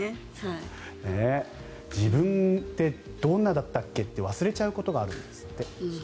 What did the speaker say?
自分ってどんなだったっけ？って忘れることがあるんですって。